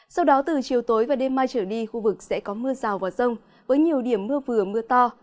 sau đó từ chiều tối và đêm mai trở đi khu vực sẽ có mưa rào và rông với nhiều điểm mưa vừa mưa to